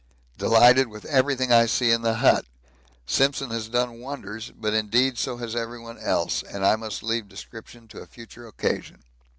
Delighted with everything I see in the hut. Simpson has done wonders, but indeed so has everyone else, and I must leave description to a future occasion.